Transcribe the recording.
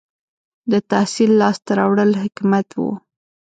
• د تحصیل لاسته راوړل حکمت و.